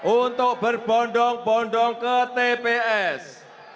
untuk berbondong bondong ke tps